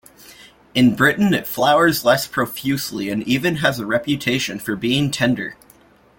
In Britain it flowers less profusely and even has a reputation for being tender.